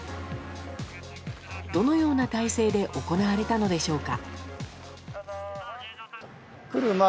どのような態勢で行われたのでしょうか？